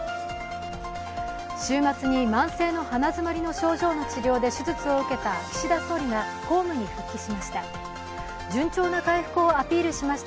週末に慢性の鼻詰まりの症状の治療で手術を受けた岸田総理が公務に復帰しました。